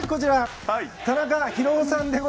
田中博男さんです。